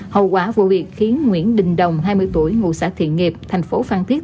hậu quả vụ việc khiến nguyễn đình đồng hai mươi tuổi ngụ xã thiện nghiệp thành phố phan thiết